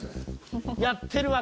やってるわ。